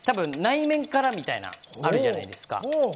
多分、内面からみたいなのが、あるじゃないですか。